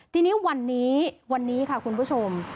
ทีนี้วันนี้ค่ะคุณผู้ชม